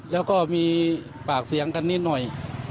แล้วก็มีปากเสียงกันนิดหน่อย